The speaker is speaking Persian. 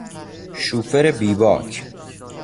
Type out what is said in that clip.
شوفر بیباک